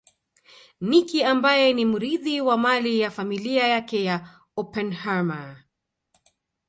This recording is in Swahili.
Nicky ambaye ni mrithi wa mali ya familia yake ya Oppenheimer